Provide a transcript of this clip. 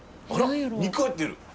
あら肉入ってる！